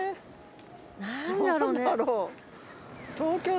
何だろね？